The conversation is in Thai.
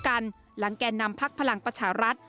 ต้องเวลาไล่เรียกกันหลังแกนนำพักพลังประชารัฐ